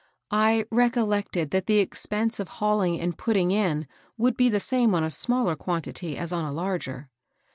" I recollected that the expense of hauUng and put ting in would be the same on a smaller quantity as on a larger."